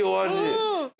うん！